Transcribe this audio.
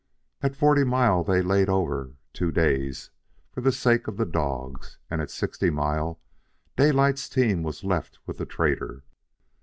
At Forty Mile they laid over two days for the sake of the dogs, and at Sixty Mile Daylight's team was left with the trader.